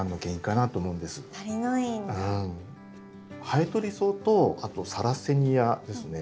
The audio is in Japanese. ハエトリソウとあとサラセニアですね